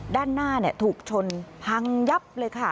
ด้านหน้าถูกชนพังยับเลยค่ะ